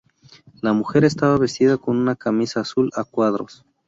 La mujer estaba vestida con una camisa azul a cuadros.